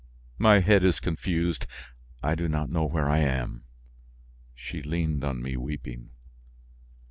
My head is confused, I do not know where I am!" She leaned on me weeping.